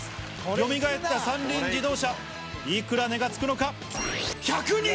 よみがえった三輪自動車、いくら値がつくのか。